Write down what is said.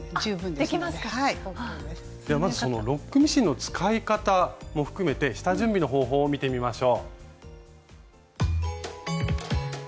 ではまずそのロックミシンの使い方も含めて下準備の方法を見てみましょう。